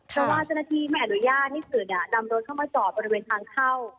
เพราะว่าเจ้าหน้าที่ไม่อนุญาตให้สื่อนำรถเข้ามาจอดบริเวณทางเข้า